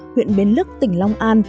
huyện bến lức tỉnh long an